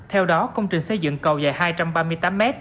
theo đó công trình xây dựng cầu dài hai trăm ba mươi tám m